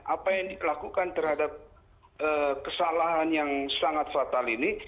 apa yang dilakukan terhadap kesalahan yang sangat fatal ini